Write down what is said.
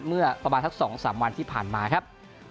เมื่อประมาณสัก๒๓วันที่ผ่านมาครับ